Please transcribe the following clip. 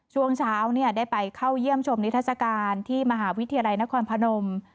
ช่วงเช้าได้ไปเข้าเยี่ยมชมนิทัศกาลที่มหาวิทยาลัยนครพนม